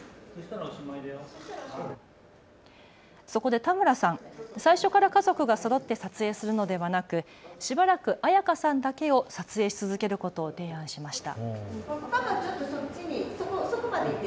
そこで田村さん、最初から家族がそろって撮影するのではなくしばらく彩花さんだけを撮影し続けることを提案しました。